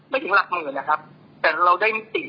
มันดีกว่าไหมครับ